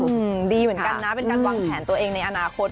ดีเหมือนกันนะเป็นการวางแผนตัวเองในอนาคต